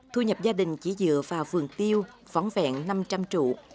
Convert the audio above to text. thu nhập gia đình chỉ dựa vào vườn tiêu vón vẹn năm trăm linh trụ